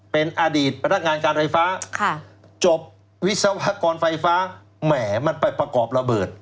เป็นอดีตพนักงานการไฟฟ้าจบวิศวกรไฟฟ้าแหมมันไปประกอบระเบิด